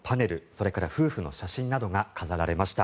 それから夫婦の写真などが飾られました。